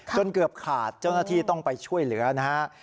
จนเกือบขาดจนที่ต้องไปช่วยเหลือนะฮะ